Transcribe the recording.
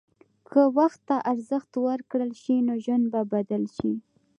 که وخت ته ارزښت ورکړل شي، نو ژوند به بدل شي.